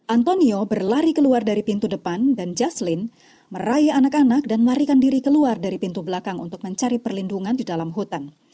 antonio berlari keluar dari pintu depan dan jaseline meraih anak anak dan marikan diri keluar dari pintu belakang untuk mencari perlindungan di dalam hutan